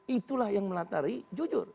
itulah yang melantari jujur